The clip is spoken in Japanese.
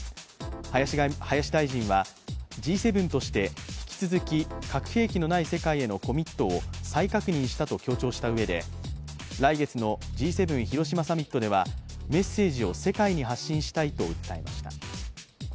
林大臣は、Ｇ７として引き続き核兵器のない世界へのコミットを再確認したと強調したうえで来月のＧ７広島サミットではメッセージを世界に発信したいと訴えました。